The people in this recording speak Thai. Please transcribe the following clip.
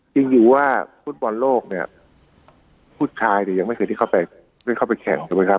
จริงอยู่ว่าฟุตบอลโลกเนี่ยผู้ชายเนี่ยยังไม่เคยได้เข้าไปไม่ได้เข้าไปแข่งถูกไหมครับ